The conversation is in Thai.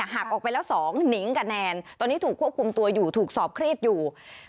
หักออกไปแล้ว๒หนิงกับแนนตอนนี้ถูกควบคุมตัวอยู่ถูกสอบเครียดอยู่